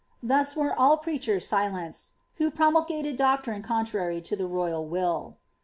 Thus were all preachers silenced, who promulgated dcctrine contrary to the roval will.